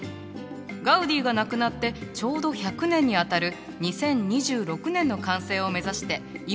ガウディが亡くなってちょうど１００年にあたる２０２６年の完成を目指して今も建設中なの。